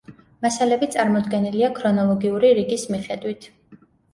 მასალები წარმოდგენილია ქრონოლოგიური რიგის მიხედვით.